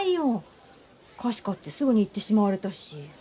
菓子買ってすぐに行ってしまわれたし。